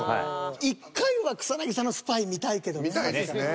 １回は草さんのスパイ見たいけどね。